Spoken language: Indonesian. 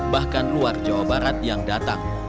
bahkan luar jawa barat yang datang